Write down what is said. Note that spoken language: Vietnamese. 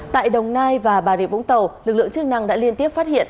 tại đồng nai và bà rịa vũng tàu lực lượng chức năng đã liên tiếp phát hiện